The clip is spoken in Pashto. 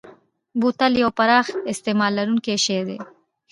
بوتل یو پراخ استعمال لرونکی شی دی.